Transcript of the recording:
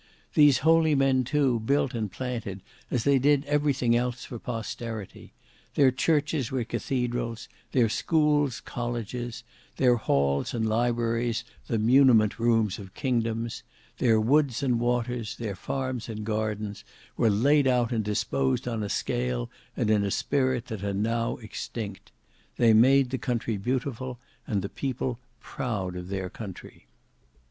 These holy men too built and planted as they did everything else for posterity: their churches were cathedrals; their schools colleges; their halls and libraries the muniment rooms of kingdoms; their woods and waters, their farms and gardens, were laid out and disposed on a scale and in a spirit that are now extinct: they made the country beautiful, and the people proud of their country."